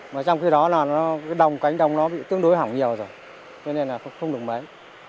mà trong khi đó là cái đồng cánh đồng nó bị tương đối hỏng nhiều rồi cho nên là không được bán